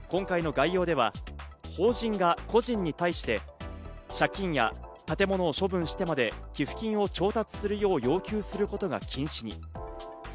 今回の概要では、法人が個人に対して、借金や建物を処分してまで、寄付金を調達するよう要求することが禁止に。